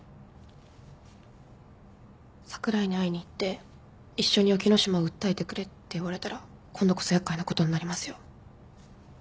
櫻井に会いに行って一緒に沖野島を訴えてくれって言われたら今度こそ厄介なことになりますよ。